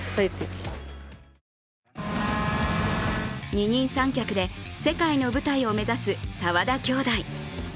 二人三脚で世界の舞台を目指す澤田兄弟。